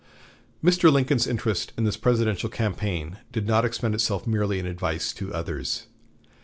Mr. Lincoln's interest in this presidential campaign did not expend itself merely in advice to others.